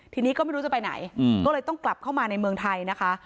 ทีนี้ก็ไม่รู้จะไปไหนก็เลยต้องกลับเข้ามาในเมืองไทยนะคะ